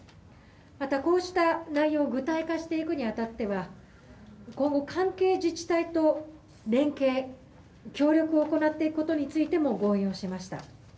またこうした内容を具体化していくに当たっては今後、関係自治体と連携と協力を行っていくことについても合意しました。